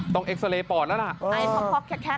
ต้องเอ็กซาเลปอดแล้วล่ะ